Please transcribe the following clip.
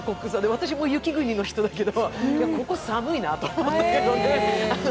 私も雪国の人だけど、行ったときここ寒いなって思ったけどね。